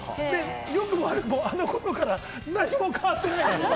よくも悪くもあの頃から何も変わってない。